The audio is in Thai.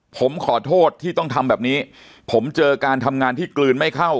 ผมขอโทษที่ต้องทำแบบนี้ผมเจอการทำงานที่กลืนไม่เข้า